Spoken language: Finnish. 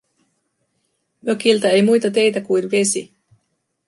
Mökiltä ei muita teitä kuin vesi.